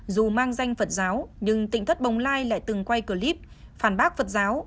dù mang danh phật giáo nhưng tỉnh thất bồng lai lại từng quay clip phản bác phật giáo